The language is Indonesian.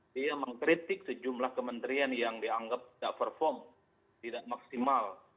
dia mengkritik sejumlah kementerian yang dianggap tidak perform tidak maksimal